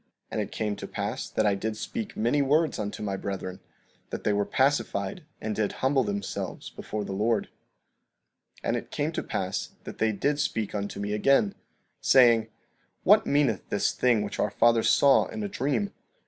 And it came to pass that I did speak many words unto my brethren, that they were pacified and did humble themselves before the Lord. 15:21 And it came to pass that they did speak unto me again, saying: What meaneth this thing which our father saw in a dream?